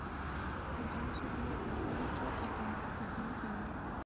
Continuó su vida como árbitro y como ejecutivo federal.